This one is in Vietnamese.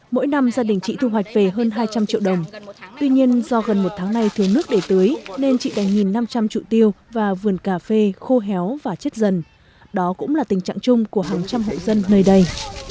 mỗi năm gia đình chị thu hoạch về hơn hai trăm linh triệu đồng tuy nhiên do gần một tháng nay thiếu nước để tưới nên chị đành nhìn năm trăm linh trụ tiêu và vườn cà phê khô héo và chết dần đó cũng là tình trạng chung của hàng trăm hộ dân nơi đây